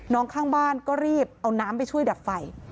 ข้างบ้านก็รีบเอาน้ำไปช่วยดับไฟ